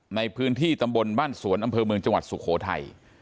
ในพื้นที่ตำบลบ้านสวนอำเภอเมืองจังหวัดสุโขทัย